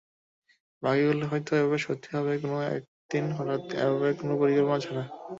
বাকিগুলোও হয়তো এভাবে সত্যি হবে কোনো একদিন হঠাৎ-এভাবেই কোনো পরিকল্পনা ছাড়া।